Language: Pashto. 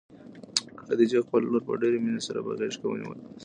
خدیجې خپله لور په ډېرې مینې سره په غېږ کې ونیوله.